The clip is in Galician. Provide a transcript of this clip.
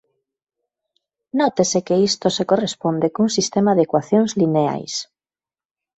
Nótese que isto se corresponde cun sistema de ecuacións lineais.